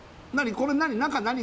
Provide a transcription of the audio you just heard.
これ何？